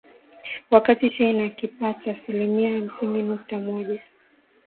Wakati Shein akipata asilimia hamsini nukta moja